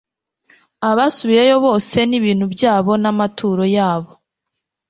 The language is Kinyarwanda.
abasubiyeyo bose n ibintu byabo n amaturo yabo